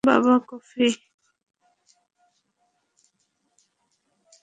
বাবা, কফি?